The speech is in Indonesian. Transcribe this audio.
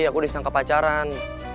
aku disangka pacaran